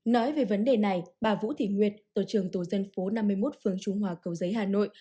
nói về vấn đề này bà vũ thị nguyệt tổ trưởng tổ dân phố năm mươi một phường trung hòa cầu giấy hà nội